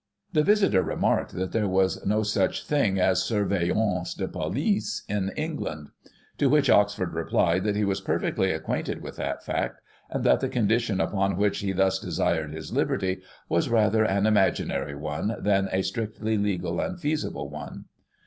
The visitor remarked that there was no such thing as surveillance de police in England. To which Oxford replied that he was perfectly acquainted with that fact ; and that the condition upon which he thus desired his liberty, was rather an imaginary one, than a strictly legal and feasible one.